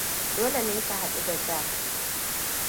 Dole ne su hadu da Jacques.